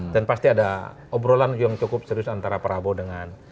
dan pasti ada obrolan yang cukup serius antara prabowo dengan